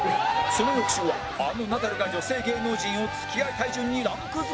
その翌週はあのナダルが女性芸能人を付き合いたい順にランク付け